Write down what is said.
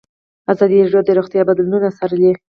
ازادي راډیو د روغتیا بدلونونه څارلي.